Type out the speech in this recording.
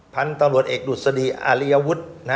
พันธุ์ตลอดเอกดุษฎีอาริยวุฒิ์